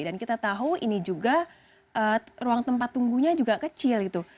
dan kita tahu ini juga ruang tempat tunggunya juga kecil gitu